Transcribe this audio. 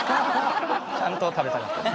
ちゃんと食べたかったんです。